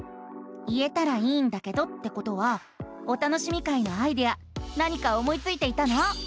「言えたらいいんだけど」ってことは「お楽しみ会」のアイデア何か思いついていたの？